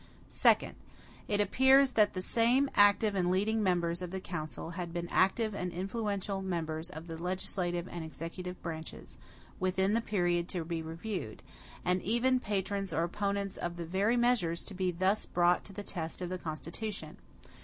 Second. It appears that the same active and leading members of the council had been active and influential members of the legislative and executive branches, within the period to be reviewed; and even patrons or opponents of the very measures to be thus brought to the test of the constitution.